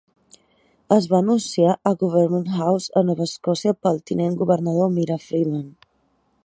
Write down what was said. Es va anunciar a Government House a Nova Escòcia pel tinent-governador Myra Freeman.